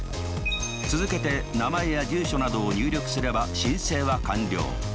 続けて名前や住所などを入力すれば申請は完了。